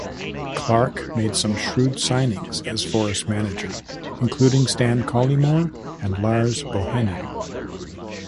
Clark made some shrewd signings as Forest manager, including Stan Collymore and Lars Bohinen.